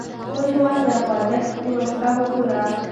ټول هېواد په خوځښت کې و، شپه مو ټوله.